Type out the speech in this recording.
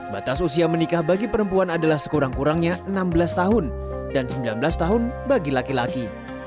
batas usia menikah bagi perempuan adalah sekurang kurangnya enam belas tahun dan sembilan belas tahun bagi laki laki